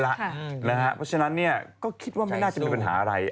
เพราะฉะนั้นก็คิดว่าไม่น่าจะมีปัญหาอะไร